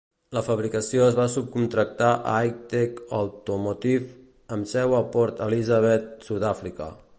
La fabricació es va subcontractar a Hi-Tech Automotive, amb seu a Port Elizabeth, Sud-àfrica.